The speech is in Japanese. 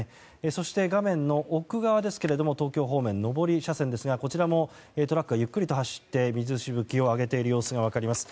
そして画面奥側ですが東京方面上り車線ですがこちらもトラックがゆっくりと走って水しぶきを上げている様子が分かります。